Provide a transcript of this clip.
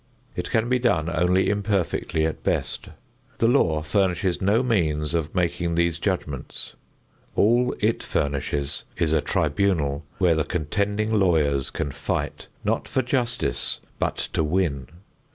It can be done only imperfectly at best. The law furnishes no means of making these judgments. All it furnishes is a tribunal where the contending lawyers can fight, not for justice, but to win.